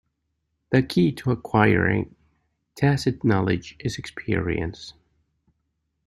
The key to acquiring tacit knowledge is experience.